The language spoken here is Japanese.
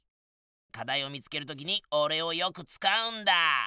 課題を見つける時におれをよく使うんだ！